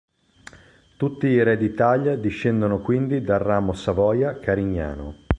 Tutti i re d'Italia discendono quindi dal ramo Savoia-Carignano.